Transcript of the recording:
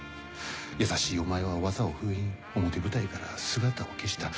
優しいお前は技を封印表舞台から姿を消した。